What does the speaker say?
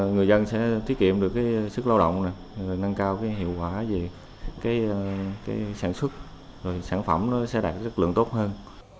người dân sẽ tiết kiệm được cái sức lao động rồi nâng cao cái hiệu quả về cái sản xuất rồi sản phẩm nó sẽ đạt chất lượng tốt hơn